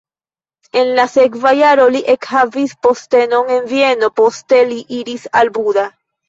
En la sekva jaro li ekhavis postenon en Vieno, poste li iris al Buda.